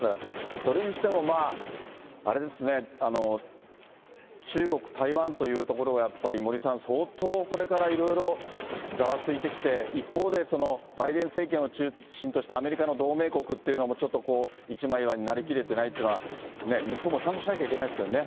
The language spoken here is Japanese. それにしても、あれですね、中国、台湾というところがやっぱり森さん、相当これからいろいろ、ざわついてきて、一方でバイデン政権を中心としたアメリカの同盟国というのも、ちょっと一枚岩になりきれてないというのは、日本もちゃんとしなきゃいけないですけどね。